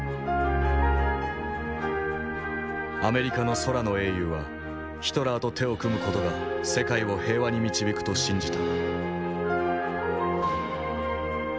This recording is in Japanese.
アメリカの空の英雄はヒトラーと手を組む事が世界を平和に導くと信じた。